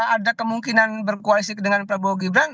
ada kemungkinan berkoalisi dengan prabowo gibran